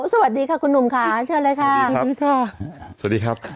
สวัสดีค่ะคุณหนุ่มค่ะเชิญเลยค่ะสวัสดีครับ